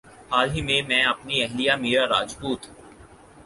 حال ہی میں اپنی اہلیہ میرا راجپوت